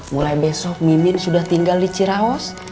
mulai besok mimin sudah tinggal di ciraos